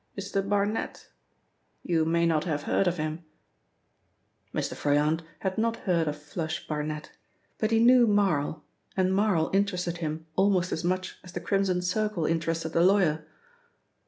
Mr. Barnet. You may not have heard of him." Mr. Froyant had not heard of 'Flush' Barnet, but he knew Marl, and Marl interested him almost as much as the Crimson Circle interested the lawyer.